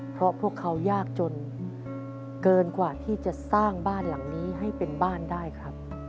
เพราะพวกเขายากจนเกินกว่าที่จะสร้างบ้านหลังนี้ให้เป็นบ้านได้ครับ